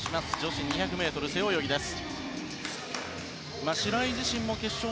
女子２００ｍ背泳ぎです。